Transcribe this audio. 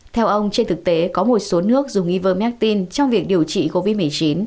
theo ông trên thực tế có một số nước dùng ivermectin trong việc điều trị covid một mươi chín